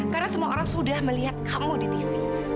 karena semua orang sudah melihat kamu di tv